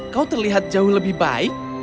kau terlihat jauh lebih baik